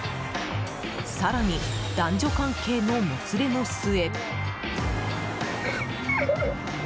更に、男女関係のもつれの末。